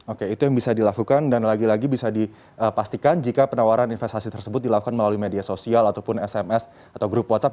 oke itu yang bisa dilakukan dan lagi lagi bisa dipastikan jika penawaran investasi tersebut dilakukan melalui media sosial ataupun sms atau grup whatsapp